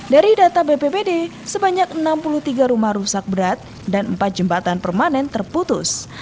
dari data bppd sebanyak enam puluh tiga rumah rusak berat dan empat jembatan permanen terputus